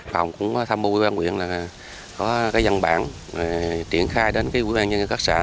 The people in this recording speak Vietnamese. phòng cũng tham mưu với ban huyện là có dân bạn triển khai đến quỹ ban nhân dân các xã